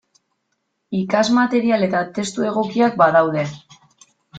Ikasmaterial eta testu egokiak badaude.